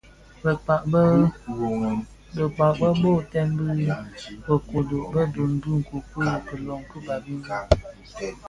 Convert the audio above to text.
Bëkpag be boytèn bi bë kodo bë ndom bi nkokuei a ilön ki Babimbi.